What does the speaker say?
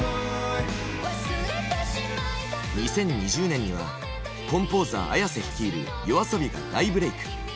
２０２０年にはコンポーザーＡｙａｓｅ率いるＹＯＡＳＯＢＩが大ブレーク。